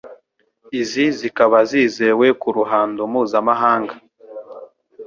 Izi zikaba zizewe ku ruhando mpuzamahanga